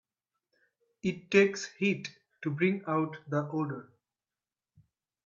It takes heat to bring out the odor.